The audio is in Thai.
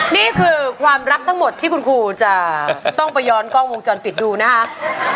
นี่คือความรักทั้งหมดที่คุณครูจะต้องไปย้อนกล้องวงจรปิดดูนะคะ